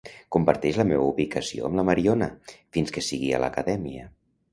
Comparteix la meva ubicació amb la Mariona fins que sigui a l'acadèmia.